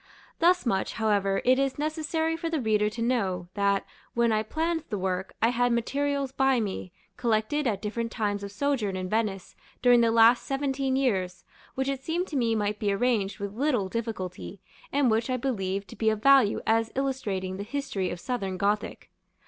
Thus much, however, it is necessary for the reader to know, that, when I planned the work, I had materials by me, collected at different times of sojourn in Venice during the last seventeen years, which it seemed to me might be arranged with little difficulty, and which I believe to be of value as illustrating the history of Southern Gothic.